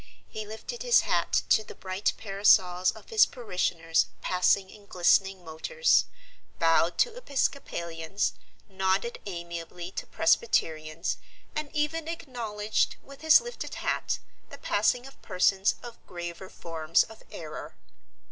He lifted his hat to the bright parasols of his parishioners passing in glistening motors, bowed to episcopalians, nodded amiably to presbyterians, and even acknowledged with his lifted hat the passing of persons of graver forms of error.